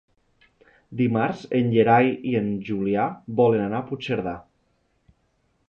Dimarts en Gerai i en Julià volen anar a Puigcerdà.